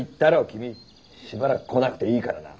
君しばらく来なくていいからな。